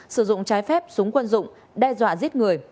sử dụng trái phép súng quân dụng